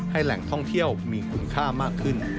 แหล่งท่องเที่ยวมีคุณค่ามากขึ้น